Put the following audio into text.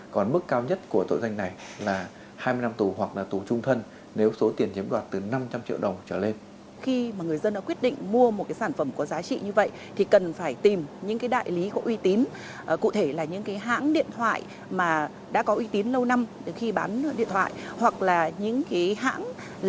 còn mức cao nhất của tội doanh này là hai mươi năm tù hoặc là tù trung thân